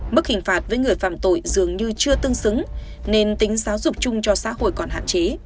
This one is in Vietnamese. mức hình phạt với người phạm tội dường như chưa tương xứng nên tính giáo dục chung cho xã hội còn hạn chế